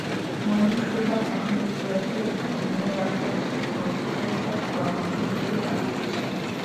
মঈনুস সুলতান এখন যুক্তরাষ্ট্রের ভার্জিনিয়ায় বাস করছেন এবং শিক্ষাবিষয়ক পরামর্শক হিসেবে কাজ করছেন।